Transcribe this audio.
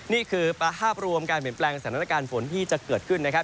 นี่คือภาพรวมการเปลี่ยนแปลงสถานการณ์ฝนที่จะเกิดขึ้นนะครับ